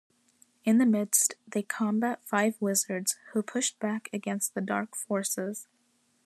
In the midst, they combat five wizards, who pushed back against the dark forces.